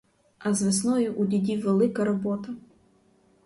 А з весною у дідів велика робота.